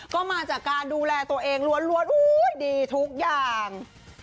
ก็มาจากการดูแลตัวเองล้วนดีทุกอย่าง